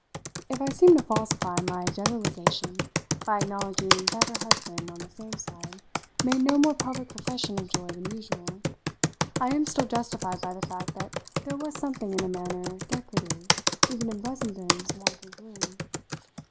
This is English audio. If I seem to falsify my generalisation by acknowledging that her husband, on the same side, made no more public profession of joy than usual, I am still justified by the fact that there was something in a manner decorative even in Brissenden's wonted gloom.